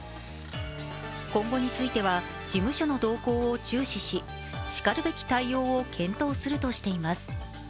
今後については事務所の動向を注視ししかるべき対応を検討するとしています。